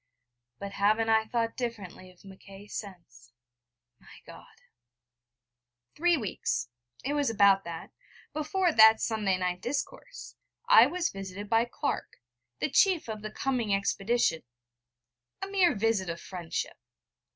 But haven't I thought differently of Mackay since, my God...? Three weeks it was about that before that Sunday night discourse, I was visited by Clark, the chief of the coming expedition a mere visit of friendship.